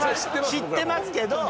知ってますけど。